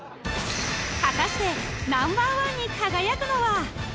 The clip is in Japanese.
果たしてナンバーワンに輝くのは？